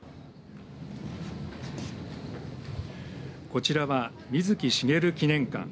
こちらは、水木しげる記念館。